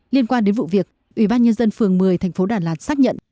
liên quan đến vụ việc ủy ban nhân dân phường một mươi thành phố đà lạt xác nhận